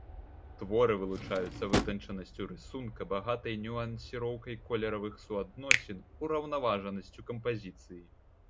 Творы вылучаюцца вытанчанасцю рысунка, багатай нюансіроўкай колеравых суадносін, ураўнаважанасцю кампазіцыі.